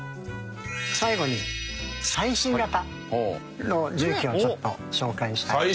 最後に最新型の重機をちょっと紹介したいと思います。